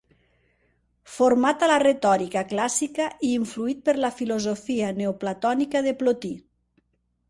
Format a la retòrica clàssica i influït per la filosofia neoplatònica de Plotí.